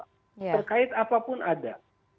terkait apapun ada